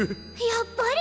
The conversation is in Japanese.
やっぱり！